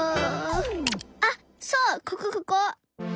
あっそうここここ！